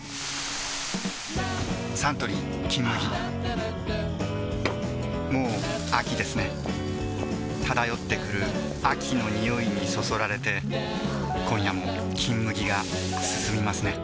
サントリー「金麦」もう秋ですね漂ってくる秋の匂いにそそられて今夜も「金麦」がすすみますね